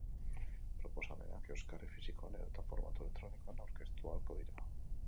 Proposamenak euskarri fisikoan edota formatu elektronikoan aurkeztu ahalko dira.